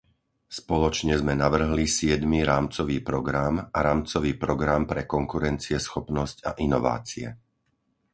Spoločne sme navrhli siedmy rámcový program a rámcový program pre konkurencieschopnosť a inovácie.